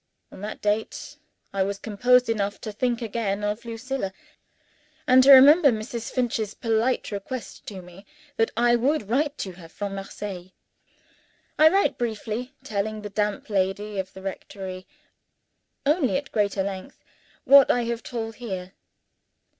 On that date, I was composed enough to think again of Lucilla, and to remember Mrs. Finch's polite request to me that I would write to her from Marseilles. I wrote briefly, telling the damp lady of the rectory (only at greater length) what I have told here.